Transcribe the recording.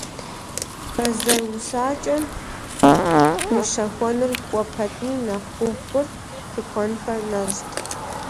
Бэзэр уасэкӀэ ущэхуэныр кӀуэ пэтми нэхъ гугъу хъурт, тыкуэнхэр нэщӀт.